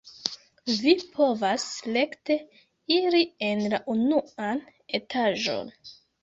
Vi povas rekte iri en la unuan etaĝon.